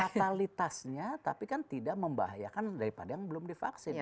fatalitasnya tapi kan tidak membahayakan daripada yang belum divaksin